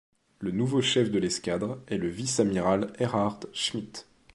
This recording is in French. Le nouveau chef de l'escadre est le vice-amiral Erhard Schmidt.